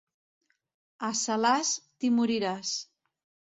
A Salàs, t'hi moriràs.